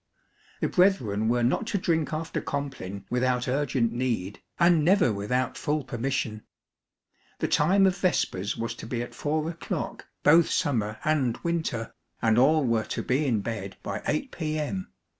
The brethren were not to drink after Compline without urgent need, and never without full permission. The time of Vespers was to be at 4 o'clock, both summer and winter, and all were to be in bed by 8 p. m.